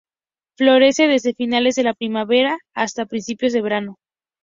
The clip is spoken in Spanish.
Florece desde finales de la primavera hasta principios de verano.